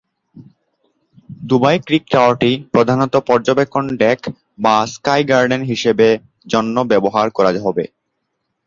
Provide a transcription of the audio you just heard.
Dubai creek টাওয়ারটি প্রধানত পর্যবেক্ষণ ডেক বা স্কাই গার্ডেন হিসেবে জন্য ব্যবহার করা হবে।